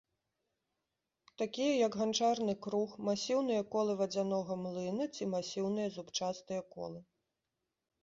Такія як ганчарны круг, масіўныя колы вадзянога млына ці масіўныя зубчастыя колы.